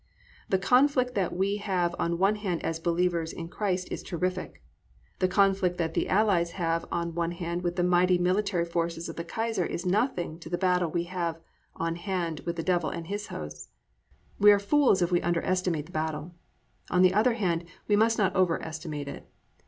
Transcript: The conflict that we have on hand as believers in Christ is terrific. The conflict that the Allies have on hand with the mighty military forces of the Kaiser is nothing to the battle we have on hand with the Devil and his hosts. We are fools if we underestimate the battle. On the other hand, we must not over estimate it.